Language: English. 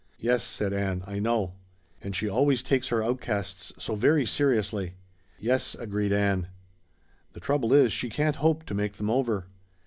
"Yes," said Ann, "I know." "And she always takes her outcasts so very seriously." "Yes," agreed Ann. "The trouble is, she can't hope to make them over."